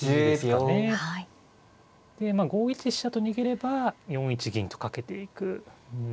でまあ５一飛車と逃げれば４一銀とかけていく。